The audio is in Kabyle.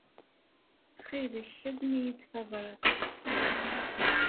Ttxil-k, azen-iyi-d tabṛat.